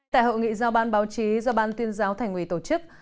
tại hội nghị giao ban báo chí do ban tuyên giáo thành ủy tổ chức